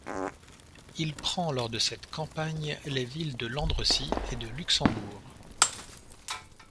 Il prend lors de cette campagne les villes de Landrecies et de Luxembourg.